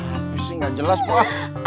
apa sih gak jelas pak